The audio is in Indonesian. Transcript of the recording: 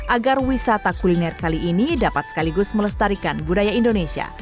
agar wisata kuliner kali ini dapat sekaligus melestarikan budaya indonesia